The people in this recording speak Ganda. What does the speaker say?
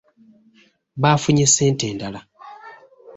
Baafunye ssente endala.